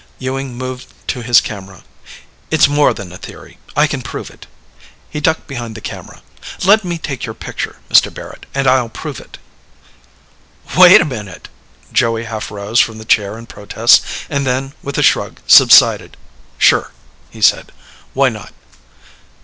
Ewing moved to his camera. "It's more than a theory. I can prove it." He ducked behind the camera. "Let me take your picture, Mr. Barrett, and I'll prove it." "Wait a minute!" Joey half rose from the chair in protest, and then, with a shrug subsided. "Sure," he said. "Why not?"